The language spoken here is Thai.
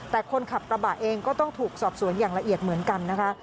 แต่คนขับกระบะเองก็ต้องถูกสอบสวนอย่างละเอียดเหมือนกันนะคะ